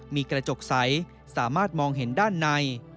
มีกระจกใสสามารถมองเห็นด้านใน